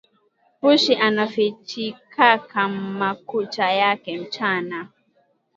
Pushi anafichikaka makucha yake mchana